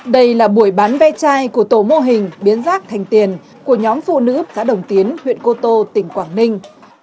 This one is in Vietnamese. đây là buổi bán ve chai của tổ mô hình biến rác thành tiền của nhóm phụ nữ xã đồng tiến huyện cô tô tỉnh quảng ninh